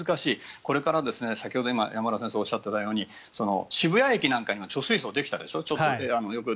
これから、先ほど山村先生がおっしゃったように渋谷駅なんか貯水槽ができたでしょ。